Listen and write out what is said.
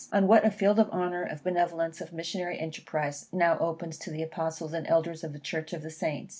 O what a field of labour, of benevolence, of missionary enterprise now opens to the Apostles and Elders of the Church of the Saints!